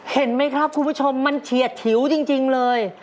เห็นไหมครับคุณผู้ชมมันเฉียดฉิวจริงเลย